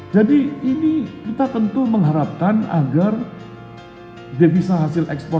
jadi ini kita tentu mengharapkan agar devisa hasil ekspor